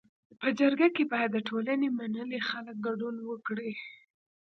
په جرګه کي باید د ټولني منلي خلک ګډون وکړي.